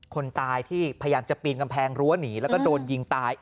คนตายที่พยายามจะปีนกำแพงรั้วหนีแล้วก็โดนยิงตาย